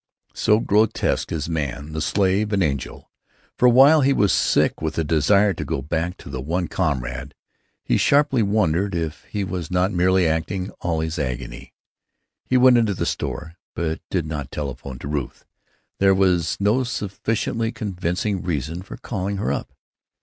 So grotesque is man, the slave and angel, for while he was sick with the desire to go back to the one comrade, he sharply wondered if he was not merely acting all this agony. He went into the store. But he did not telephone to Ruth. There was no sufficiently convincing reason for calling her up.